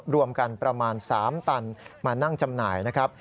รวมกันประมาณ๓ตันมานั่งจำหน่ายนะครับ